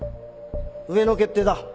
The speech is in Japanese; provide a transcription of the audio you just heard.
上の決定だ。